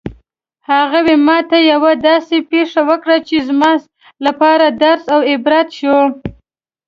هغې ما ته یوه داسې پېښه وکړه چې زما لپاره درس او عبرت شوه